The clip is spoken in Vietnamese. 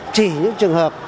chỉ những trường hợp